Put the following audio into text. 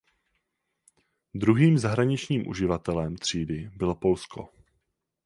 Druhým zahraničním uživatelem třídy bylo Polsko.